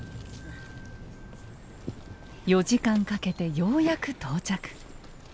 ４時間かけてようやく到着。